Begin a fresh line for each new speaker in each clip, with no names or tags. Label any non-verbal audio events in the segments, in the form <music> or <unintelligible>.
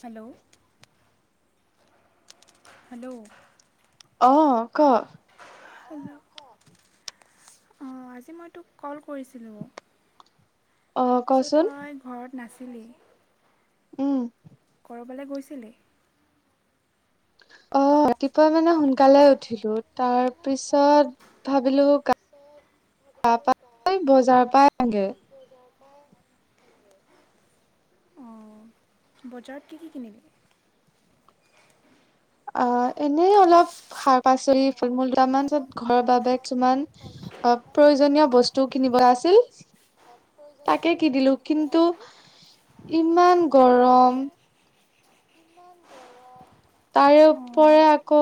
Hello hello
অঁ, ক
hello, অঁ আজি মই তোক কল কৰিছিলোঁ। তাৰপিছত তই ঘৰত নাছিলি
উম
কৰবালৈ গৈছিলি?
অ ৰাতিপুৱা মানে সোনকালে উঠিলো, তাৰ পিছত ভাবিলো গা-পা ধুই বজাৰৰ পৰা আহো গে।
অঁ, বজাৰত কি কি কিনিলি?
অঁ এনেই অলপ শাক-পাচলি ফল মূল দুটামানত ঘৰৰ বাবে কিছুমান অ প্ৰয়োজনীয় বস্তু কিনিব আছিল, তাকে কিনিলো কিন্তু ইমান গৰম। তাৰে ওপৰে আকৌ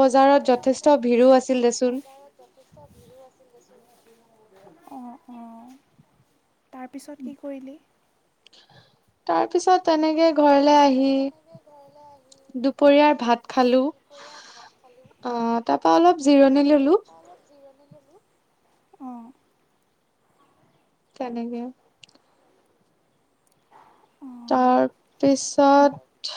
বজাৰত যথেষ্ট ভিৰো আছিল দেচোন।
অঁ অঁ, তাৰপিছত কি কৰিলি?
তাৰ পিছত তেনেক ঘৰলে আহি, দুপৰীয়াৰ ভাত খালো। আ তাৰপা অলপ জিৰণি ললো।
অঁ।
কেনেকে? তাৰ পিছত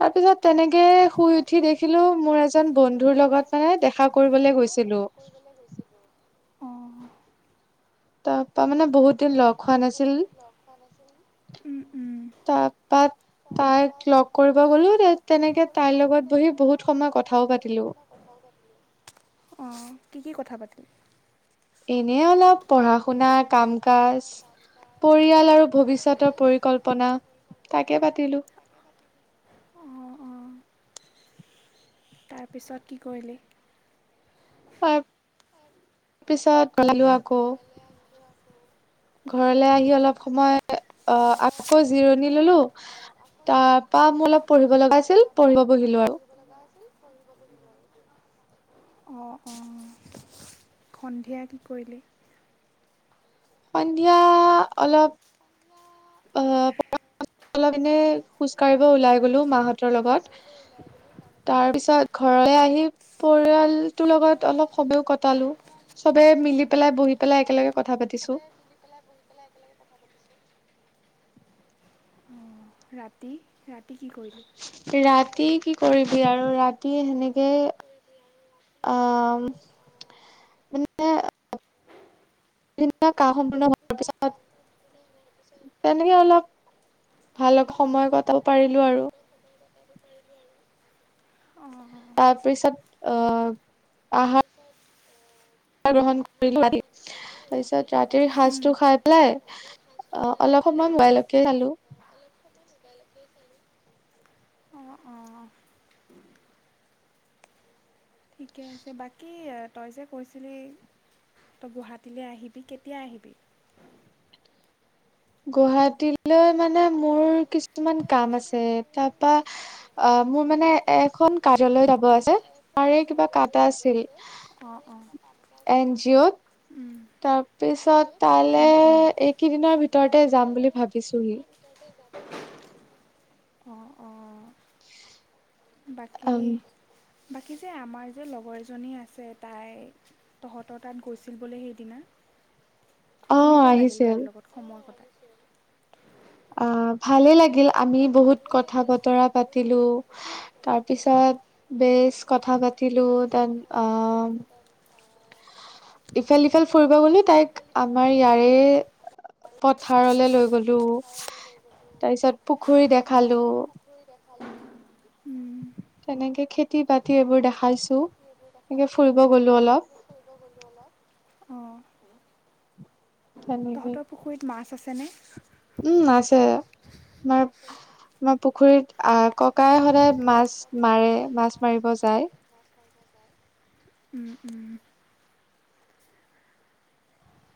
তাৰ পিছত তেনেকে শুই উঠি দেখিলো মোৰ এজন বন্ধুৰ লগত মানে দেখা কৰিবলে গৈছিলো। ত তামানে
তাৰপা মানে বহুত দিন লগ হোৱা নাছিল। উম উম। তাৰপা তাইক লগ কৰিব গলো তেনেকে তাই লগত বহি বহুত সময় কথাও পাতিলো। অহ কি কি কথা পাতিল?
এনেই অলপ পঢ়া শুনা, কাম-কাজ, পৰিয়াল আৰু ভৱিষ্যতৰ পৰিকল্পনা, তাকে পাতিলোঁ।
অঁ অঁ, তাৰপিছত কি কৰিলি?
তাৰ পিছত <unintelligible> নিলো আকৌ। ঘৰলে আহি অলপ সময় অ আকৌ জিৰণি ললো, তাৰ পা মোৰ অলপ পঢ়িব লগা আছিল পঢ়িব বহিলো আৰু।
অঁ অঁ, সন্ধিয়া কি কৰিলে?
সন্ধিয়া অলপ আহ অলপ এনে খোজ কঢ়িব ওলাই গলো মাহঁতৰ লগত তাৰ পিছত ঘৰলৈ আহি পৰিয়ালটোৰ লগত অলপ সময়ো কটালো চবে মিলি পেলাই বহি পেলাই একেলগে কথা পাতিছো
অ ৰাতি ৰাতি
ৰাতি কি কৰিব <unintelligible> আৰু ৰাতি সেনেকে আহ মানে কাহ সম্পূৰ্ণ তাৰপিছত তেনেকে অলপ ভালক সময় কটাব পাৰিলোঁ আৰু তাৰপিছত অ অহা গ্ৰহণ কৰিলোঁ তাৰপিছত ৰাতিৰ সাজটো খাই পেলাই অলপ সময় মবাইলকে চালোঁ
মোবাইলকে চালোঁ অহ অহ ঠিকে আছে বাকী তই যে কৈছিলি তই গুৱাহাটীলৈ আহিবি কেতিয়া আহিবি
গুৱাহাটীলৈ মানে মোৰ কিছুমান কাম আছে তাপা অ মোৰ মানে এখন কাৰ্যালয় যাব আছে। তাৰে কিবা কাটা আছিল। এন জি অ'ত তাৰপিছত তাইলৈ এইকেইদিনৰ ভিতৰতে যাম বুলি ভাবিছোহি
অ অ
<unintelligible>
বাকী, বাকী যে আমাৰ যে লগৰজনী আছে তাই তহঁতৰ তাত গৈছিল বোলে সেইদিনা। কেনেকুৱা লাগিল তাইৰ লগত সময় কটাই? <unintelligible>
অ ভালে লাগিল আমি বহুত কথা বতৰা পাত পাতিলো তাৰপিছত বেছ কথা পাতিলো দেন ইফাল সিফাল ফুৰিব গলো তাইক আমাৰ ইয়াৰে পথাৰলে লৈ গলো তাৰপিছত। পুখুৰী দেখালো।
উ।
তেনেকে খেতি বাতি এইবোৰ দেখা খাইছোঁ সেনেকে ফুৰিব গ'লো অলপ।
তহঁতৰ পুখুৰীত মাছ আছে? তেনে
উম আছে। আমাৰ, আমাৰ নপুখুৰীত আহ, ককাই সদায় মাছ মাৰে মাছ মাৰিব যায়।
উম, উম।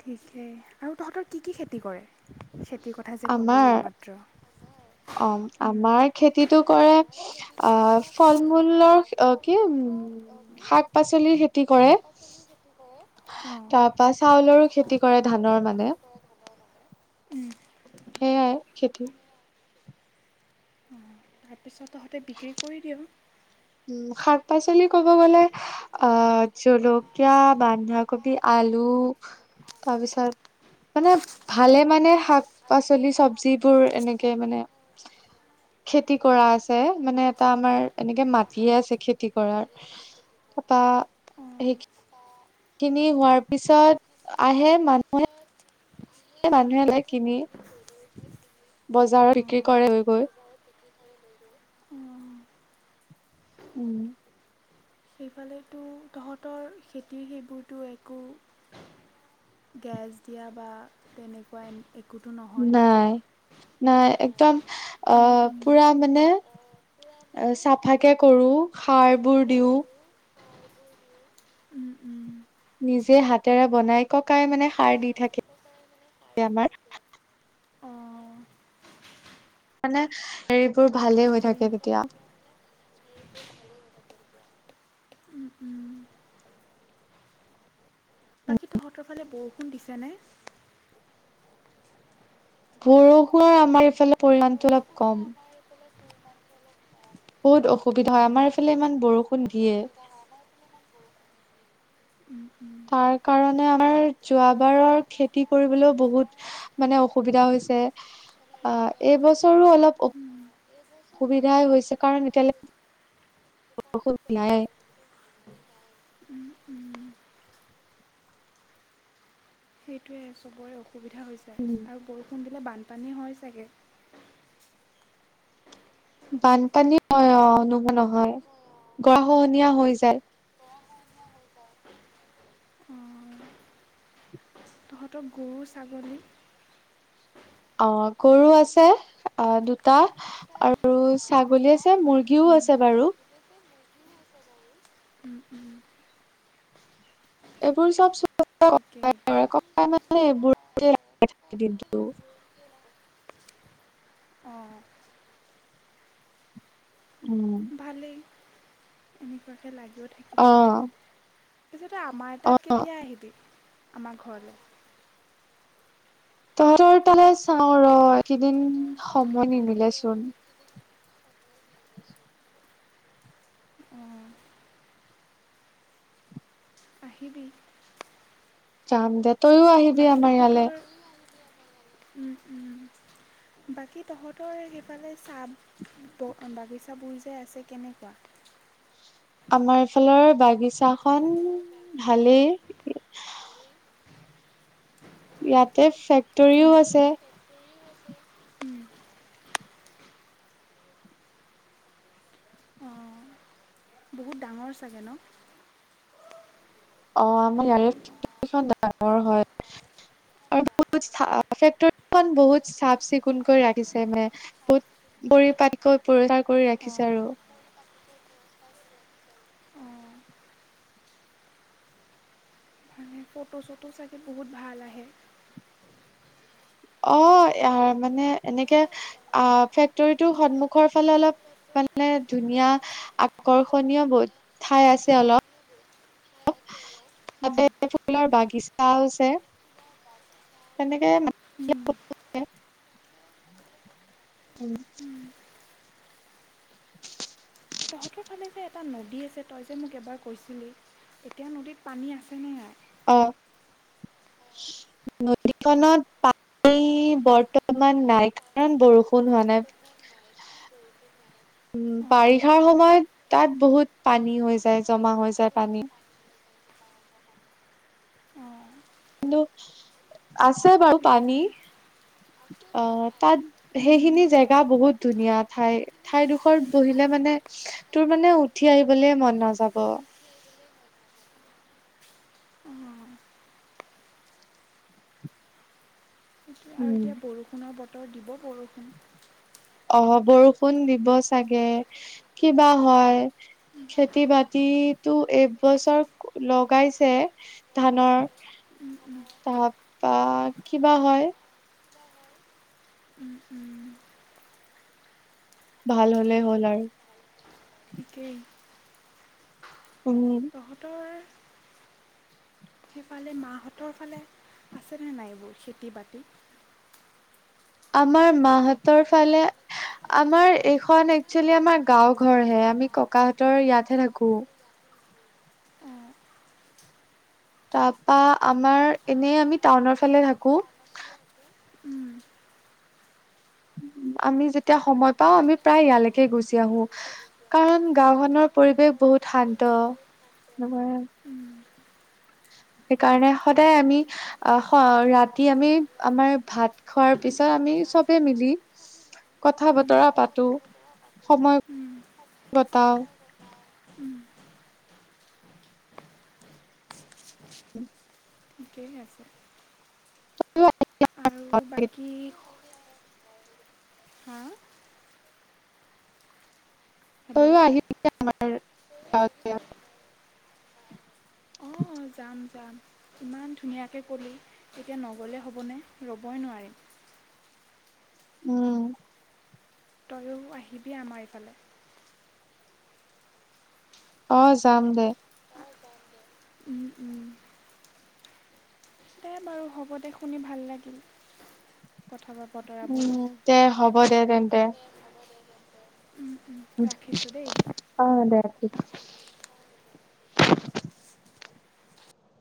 ঠিকেই, আৰু তহঁতৰ কি কি খেতি কৰে?
আমাৰ অ আমাৰ খেতিটো কৰে। <unintelligible> অ ফল মূলৰ কি উম শাক পাচলিৰ খেতি কৰে তাৰ পৰা চাউলৰো খেতি কৰে ধানৰ মানে।
উম।
সেয়াই আহ খেতি।
অ, তাৰপিছত তহঁতে বিক্ৰী কৰি দিয়।
উ শাক পাচলি ক'ব গলে, আহ জলকিয়া, বান্ধা কবি কবি, আলু তাৰপিছত মানে ভালে মানে শাক শাক- পাচলি, চবজিবোৰ এনেকে মানে খেতি কৰা আছে মানে এটা আমাৰ এনেকে মাট <unintelligible> তি আছে খেতি কৰাৰ তাপা সেই খিনি হোৱাৰ পিছত আহে মানুহে। মানুহে লয় কিনি। বজাৰত বিক্ৰী কৰে হৈ গৈ।
উ
উম
সেইফালেতো তহঁতৰ খেতিৰ সেইবোৰতো একো গেছ দিয়া বা তেনেকুৱা
নাই নাই একদম আহ পুৰা মানে অ চাফাকে কৰো সাৰবোৰ দিওঁ নিজে হাতেৰে বনাই ককাই মানে সাৰ দি থাকে আমাৰ মানে সেই বোৰ ভালেই হৈ থাকে তেতিয়া
উম উম বাকী তহঁতৰ ফালে বৰষুণ দিছেনে
বৰষুণৰ আমাৰ এইফালে পৰিমণটো অলপ কম বহুত অসুবিধা হয় আমাৰ ইফালে ইমান বৰষুণ দিয়ে তাৰ কাৰণে আমাৰ যোৱাবাৰৰ খেতি কৰিবলৈও বহুত মানে অসুবিধা হৈছে আহ এইবছৰো অলপ অসুবিধাই হৈছে কাৰণ এতিয়ালৈকে বৰষুণ নায়েই
সেইটোৱে চবৰে অসুবিধা হৈ যায় আৰু বৰষুণ বানপানী হয় চাগৈ
বানপানী হয় অ নোহোৱা নহয় গৰাখহনীয়া হৈ যায়
তহঁতৰ গৰু ছাগলী
অ গৰু আছে অ দুটা আৰু ছাগলী আছে মুৰ্গীও আছে বাৰু এইবোৰ চব চ
ঠিকেই
<unintelligible>
ভালেই এনেকুৱা লাগিও থাকিব পাৰে তাৰ পিছত আমাৰ তাত কেতিয়া আহিবি আমাৰ ঘৰলৈ
তহঁতৰ তালে চাওঁ ৰ এইকেইদিন সময় নিমিলে চোন জাম দে তইও আহিবি আমাৰ ইয়ালৈ
বাকী তহঁতৰ সেইফালে চাহ বাগিচাবোৰ যে আছে কেনেকুৱা
আমাৰ ফালৰ বাগিচা খন ভালেই ইয়াতে ফেক্টৰীও আছে
ডাঙৰ চাগৈ ন
অ আমাৰ ইয়াৰে ডাঙৰ হয় আৰু ফেক্টৰী খন বহুত চাফ চিকুণকৈ ৰাখিছে মে বহুত পৰিপাতিকৈ পৰিষ্কাৰ কৰি ৰাখিছে আৰু
মানে ফটো চটো চাগে বহুত ভাল আহে
অ ইয়াৰ মানে এনেকে অ ফেক্টৰীটো সন্মুখৰ ফালে অলপ মানে ধুনীয়া আকৰ্ষণীয় বহুত ঠাই আছে অলপ তাতে ফুলৰ বাগিচা আছে তেনেকে উম
তহঁতৰ ফালে যে এটা নদী আছে তই যে মোক এবাৰ কৈছিলি এতিয়া নদীত পানী আছেনে নাই
অঁ নদীখনত পানী বৰ্তমান নাই কাৰণ বৰষুণ হোৱা নাই। বাৰিষাৰ সময়ত তাত বহুত পানী হৈ যায় জমা হৈ যায়। পানী, কিন্তু আছে বাৰু পানী অ তাত সেইখিনি জেগা বহুত ধুনীয়া ঠাই ঠাইডোখৰত বহিলে মানে তোৰ মানে উঠি আহিবলৈ মন নাযাব।
উম আৰু এতিয়া বৰষুণৰ বতৰ আৰু দিব বৰষুণ
অ বৰষুণ দিব চাগে কিবা হয় খেতি বাতিটো এইবছৰ লগাইছে ধানৰ তাৰপা কিবা হয় ভাল হলে হ'ল আৰু
টাকেই
উম
তহঁতৰ সেইফালে মাহঁতৰ ফালে আছেনে নাই এইবোৰ খেতি বাতি
আমাৰ মাহঁতৰ ফালে আমাৰ এইখন একচুৱেলি আমাৰ গাঁও ঘৰ হে আমি ককাহঁতৰ ইয়াতহে থাকো তাৰপা আমাৰ এনেই আমি টাউনৰ ফালে থাকো আমি যেতিয়া সময় পাও আমি প্ৰায় ইয়ালৈকে গুচি আহো কাৰণ গাওখনৰ পৰিৱেশ বহুত শান্ত, নহয় সেইকাৰণে সদায় আমি আহ ৰাতি আমি আমাৰ ভাত খোৱাৰ পিছত আমি চবে মিলি কথা বতৰা পাতো সময় কটাও
উম ঠিকেই আছে আৰু বাকী হাঁ
তইও আহি আমাৰ
অ
<unintelligible>
যাম যাম ইমান ধুনীয়াকৈ ক'লি এতিয়া নগ'লে হ'বনে ৰ'বই নোৱাৰিম
উম
তও আহিবি আমাৰ এইফালে
অ যাম দে
উম উম দে বাৰু হ'ব দে শুনি ভাল লাগিল
উম দে হ'ব দে তেন্তে তে অ দেহ ঠিক আছে